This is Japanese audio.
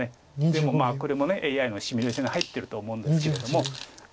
でもこれもＡＩのシミュレーションに入ってると思うんですけれども。